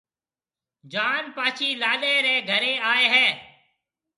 جان پاڇِي لاڏَي رَي گھرَي آئيَ ھيََََ